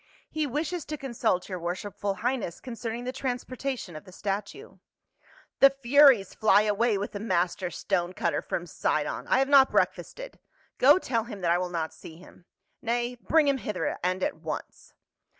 " He wishes to consult your worshipful highness concerning the transportation of the statue." " The furies fly away with the master stone cutter from Sidon ! I have not breakfasted. Go tell him that I will not see him. — Nay, bring him hither and at once."